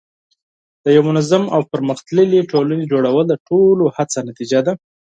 د یوه منظم او پرمختللي ټولنې جوړول د ټولو هڅو نتیجه ده.